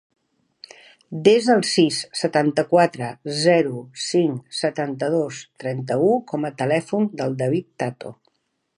Desa el sis, setanta-quatre, zero, cinc, setanta-dos, trenta-u com a telèfon del David Tato.